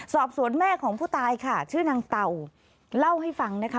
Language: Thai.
สอบสวนแม่ของผู้ตายค่ะชื่อนางเต่าเล่าให้ฟังนะคะ